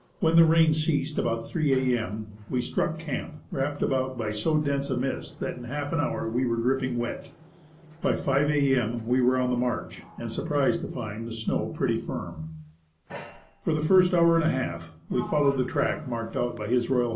When the rain ceased about 3 a.m., we 89 THE ASCENT OF MOUNT ST. ELIAS struck camp, wrapped about by so dense a mist that in half an hour we were dripping wet. By 5 a.m. we were on the march, and surprised to find the show pretty firm. For the first hour and a half we followed the track marked out by H.R. H.